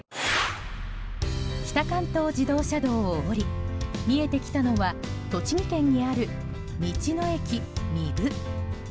北関東自動車道を下り見えてきたのは栃木県にある、道の駅みぶ。